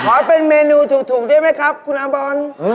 ให้เป็นเมนูถูกได้ไหมครับคุณอาบอล